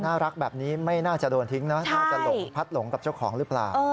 รักแบบนี้ไม่น่าจะโดนทิ้งนะน่าจะหลงพัดหลงกับเจ้าของหรือเปล่า